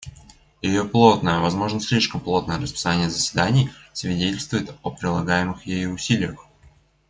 Ее плотное — возможно, слишком плотное — расписание заседаний свидетельствует о прилагаемых ею усилиях.